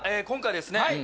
今回ですね